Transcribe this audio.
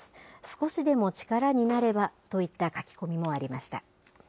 少しでも力になればといった書き込みもありました。